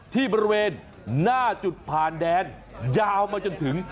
ที่บริเวณหน้าจุดผ่านแดนยาวมาจนถึง